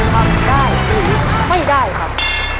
ทำได้หรือไม่ได้ครับ